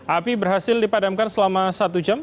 api berhasil dipadamkan selama satu jam